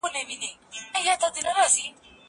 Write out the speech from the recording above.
زه اوس لوښي وچوم؟